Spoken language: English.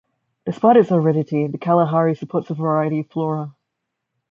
Despite its aridity, the Kalahari supports a variety of flora.